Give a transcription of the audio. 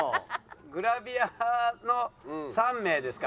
グラビアの３名ですか。